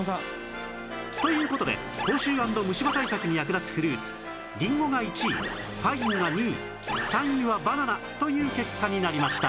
という事で口臭＆虫歯対策に役立つフルーツりんごが１位パインが２位３位はバナナという結果になりました